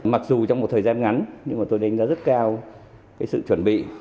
mặc dù trong một thời gian ngắn nhưng tôi đánh giá rất cao sự chuẩn bị